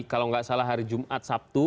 kalau nggak salah hari jumat sabtu